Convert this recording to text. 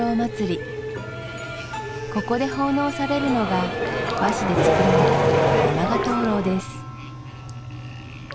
ここで奉納されるのが和紙でつくられた山鹿灯籠です